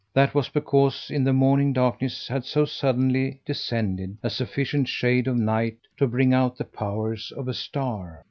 That was because in the morning darkness had so suddenly descended a sufficient shade of night to bring out the power of a star.